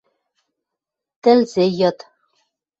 ТӸЛЗӸ ЙЫД